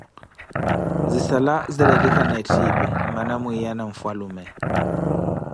Zisala ziretikhana etthipi mmana mwiiya na nfhalume.